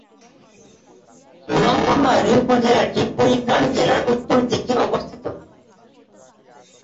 ভূরুঙ্গামারী উপজেলাটি কুড়িগ্রাম জেলার উত্তরপূর্ব দিকে অবস্থিত।